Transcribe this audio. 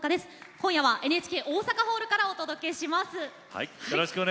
今夜はＮＨＫ大阪ホールからお届けします。